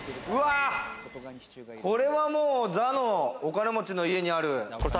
これはもう、ザのお金持ちの家にある。